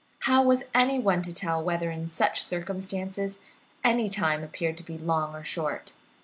How was anyone to tell whether in such circumstances any time appeared to be long or short?